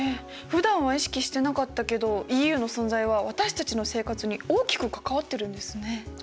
ふだんは意識してなかったけどＥＵの存在は私たちの生活に大きく関わってるんですね。